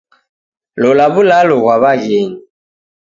Lola w'ulalo ghwa w'aghenyi